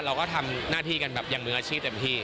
เราก็ทำหน้าที่กันแบบอย่างมืออาชีพเต็มที่